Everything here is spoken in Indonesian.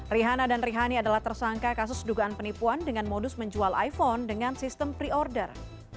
rihana dan rihani adalah tersangka kasus dugaan penipuan dengan modus menjual iphone dengan sistem pre order